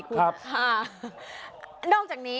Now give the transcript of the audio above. ครับ